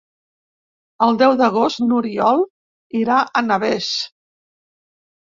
El deu d'agost n'Oriol irà a Navès.